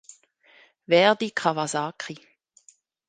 Verdy Kawasaki